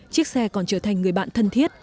chiếc xe còn trở thành người bạn thân thiết